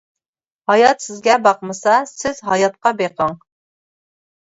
ھايات سىزگە باقمىسا، سىز ھاياتقا بېقىڭ.